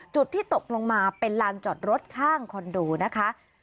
จุดที่ตกลงมาเป็นลานจอดรถข้างคอนโดนะคะ